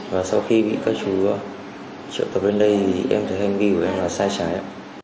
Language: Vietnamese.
và sau khi bị các chú trợ tập bên đây thì em thấy hình vi của em là sai trái